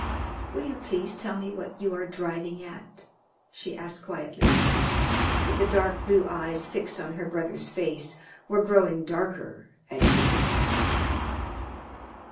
"Will you please tell me what you are driving at?" she asked quietly. But the dark blue eyes fixed on her brother's face were growing darker as she looked at him.